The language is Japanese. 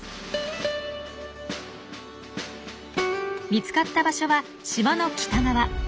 見つかった場所は島の北側。